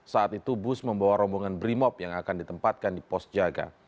saat itu bus membawa rombongan brimop yang akan ditempatkan di pos jaga